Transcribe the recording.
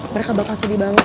mereka bakal sedih banget